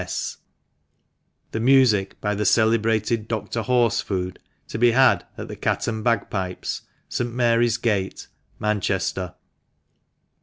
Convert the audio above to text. S.S. The music by the celebrated DR. HORSEFOOD ; to be had at the " Cat and Bagpipes?' St. Mary's Gate, Manchester.